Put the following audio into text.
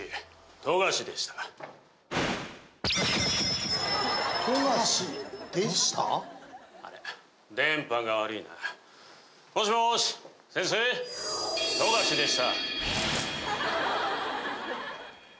冨樫でした。